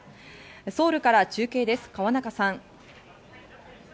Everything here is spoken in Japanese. ソウルから中継です、河中さん。